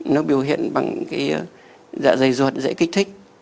nó biểu hiện bằng cái dạ dày ruột dễ kích thích